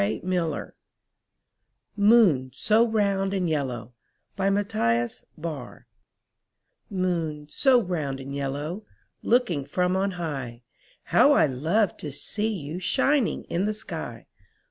t ^ MOON, so ROUND AND YELLOW Moon, so round and yellow. Looking from on high, How I love to see you Shining in the sky.